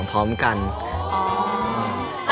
รู้จักไหม